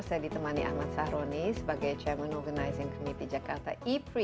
saya ditemani ahmad sahroni sebagai chairman organizing committee jakarta e prix